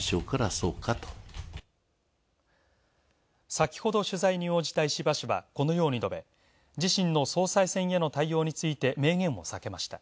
先ほど取材に応じた石破氏はこのように述べ自身の総裁選への対応について明言を避けました。